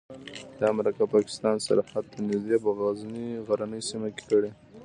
دا مرکه پاکستان سرحد ته نږدې په غرنۍ سیمه کې کړې.